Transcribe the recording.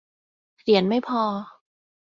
เหรียญไม่พอ